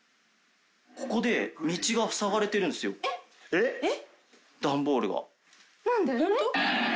ここで道が塞がれてるんすよ段ボールが何で？